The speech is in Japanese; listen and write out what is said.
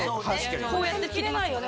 こうやって切りますよね。